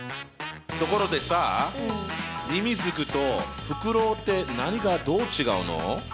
ところでさみみずくとふくろうって何がどう違うの？